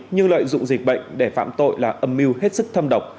như lợi dụng dịch bệnh để phạm tội là âm mưu hết sức thâm độc